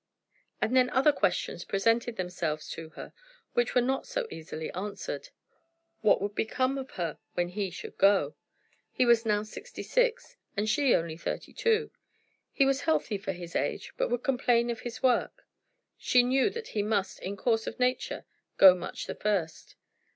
And then other questions presented themselves to her, which were not so easily answered. What would become of her when he should go? He was now sixty six, and she was only thirty two. He was healthy for his age, but would complain of his work. She knew that he must in course of nature go much the first.